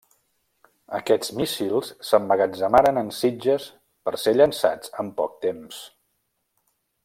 Aquests míssils s'emmagatzemaren en sitges per ser llançats en poc temps.